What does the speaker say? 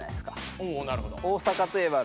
おなるほど。